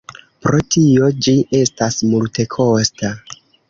Pro tio ĝi estas multekosta.